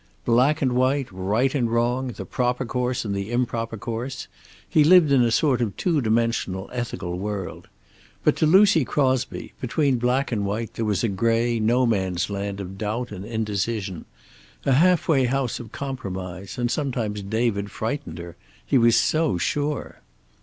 Black and white, right and wrong, the proper course and the improper course he lived in a sort of two dimensional ethical world. But to Lucy Crosby, between black and white there was a gray no man's land of doubt and indecision; a half way house of compromise, and sometimes David frightened her. He was so sure.